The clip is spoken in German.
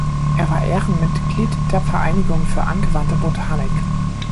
Er war Ehrenmitglied der „Vereinigung für Angewandte Botanik“.